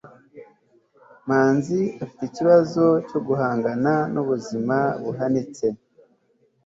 manzi afite ikibazo cyo guhangana nubuzima buhanitse